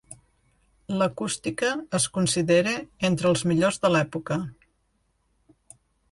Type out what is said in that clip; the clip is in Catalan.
L'acústica es considera entre els millors de l'època.